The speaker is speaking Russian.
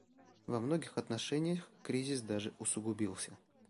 Во многих отношениях кризис даже усугубился.